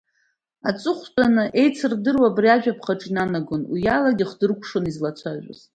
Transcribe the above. Аҵыхәтәаны еицырдыруа абри ажәаԥҟаҿы инанагон, уиалагьы ихдыркәшон излацәажәоз.